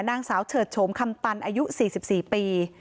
นางสาวเฉิดโฉมคำตันอายุ๔๔ปี